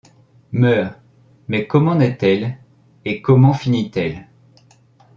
Meurt ; mais comment naît-elle ? et comment finit-elle ?